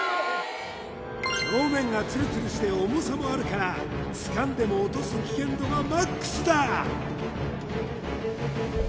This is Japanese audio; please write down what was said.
表面がツルツルして重さもあるからつかんでも落とす危険度がＭＡＸだ！